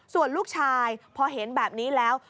ส่วนลูกชายพอเห็นแบบนี้แล้ว